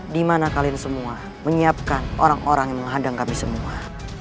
di mana kalian semua menyiapkan orang orang yang menghadang kami semua